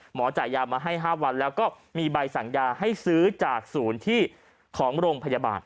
จ่ายยามาให้๕วันแล้วก็มีใบสั่งยาให้ซื้อจากศูนย์ที่ของโรงพยาบาล